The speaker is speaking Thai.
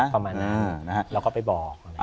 ประมาณนั้นเราก็ไปบอก